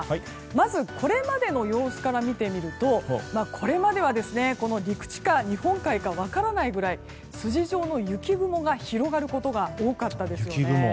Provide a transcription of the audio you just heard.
まず、これまでの様子から見てみるとこれまでは陸地か日本海か分からないぐらい筋状の雪雲が広がることが多かったですよね。